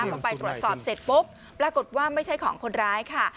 พอไปตรวจสอบเสร็จปุ๊บปรากฏว่าไม่ใช่ของคนร้ายค่ะ